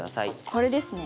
これですね。